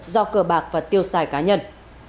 do cờ bạc và tiêu xài cá nhân